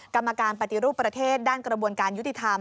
กรรมการปฏิรูปประเทศด้านกระบวนการยุติธรรม